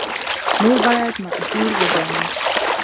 نور باید معذور وګڼي.